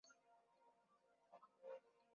ya wanyama wanaoonekana zaidi ya bonde la mto